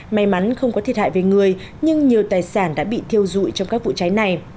may mắn không có thiệt hại về người nhưng nhiều tài sản đã bị thiêu dụi trong các vụ cháy này